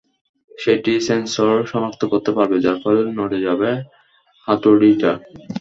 সেটিই সেন্সর শনাক্ত করতে পারবে, যার ফলে নড়ে যাবে হাতুড়িটা।